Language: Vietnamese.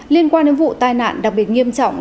liên quan đến vụ tai nạn đặc biệt nghiêm trọng